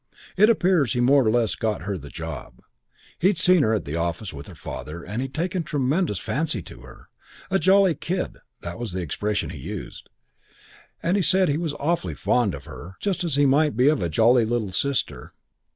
It appears he more or less got her the job. He'd seen her at the office with her father and he'd taken a tremendous fancy to her. 'A jolly kid,' that was the expression he used, and he said he was awfully fond of her just as he might be of a jolly little sister.